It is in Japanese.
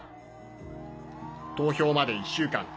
投票まで１週間。